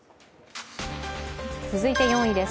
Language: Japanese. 続いて４位です。